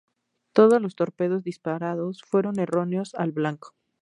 Todos los torpedos disparados fueron erróneos al blanco.